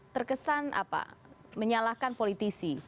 terkesan apa menyalahkan politisi